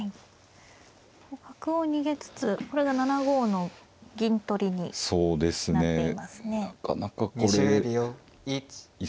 角を逃げつつこれが７五の銀取りになっていますね。